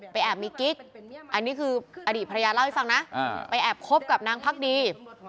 แอบมีกิ๊กอันนี้คืออดีตภรรยาเล่าให้ฟังนะไปแอบคบกับนางพักดี